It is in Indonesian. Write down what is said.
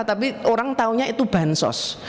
tapi orang taunya itu bansos